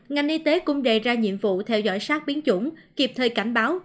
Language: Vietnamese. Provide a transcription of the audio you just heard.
ngành y tế cũng đề ra nhiệm vụ theo dõi sát biến chủng kịp thời cảnh báo